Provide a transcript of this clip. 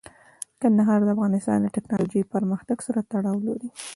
کندهار د افغانستان د تکنالوژۍ پرمختګ سره تړاو لري.